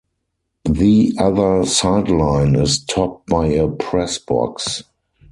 The other sideline is topped by a press box.